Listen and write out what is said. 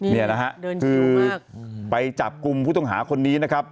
นี่นะฮะคือไปจับกลุ่มผู้ต้องหาคนนี้นะครับ